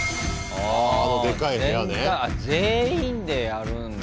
あ全員でやるんだ。